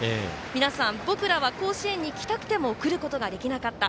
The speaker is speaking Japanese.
皆さん僕らは甲子園に来たくても来ることができなかった。